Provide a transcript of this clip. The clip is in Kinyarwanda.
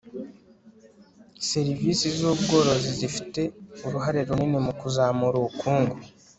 Serivisi z ubworozi zifite uruhare runini mu kuzamura ubukungu